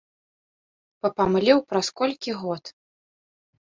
Папамлеў праз колькі год!